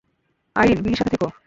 আইরিন, বিলির সাথে থেকো!